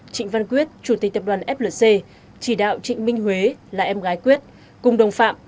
trịnh văn quyết chủ tịch tập đoàn flc chỉ đạo trịnh minh huế là em gái quyết cùng đồng phạm